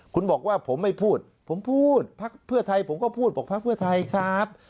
คุณบอกว่าผมไม่พูดผมพูดพักเพื่อไทยผมก็พูดบอกพักเพื่อไทยครับ